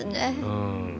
うん。